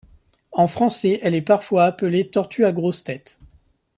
En français elle est parfois appelée Tortue à grosse tête.